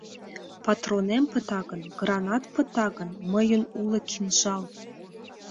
Патронем пыта гын, гранат пыта гын, мыйын уло кинжал.